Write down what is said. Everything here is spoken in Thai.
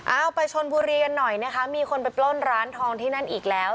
เอาไปชนบุรีกันหน่อยนะคะมีคนไปปล้นร้านทองที่นั่นอีกแล้ว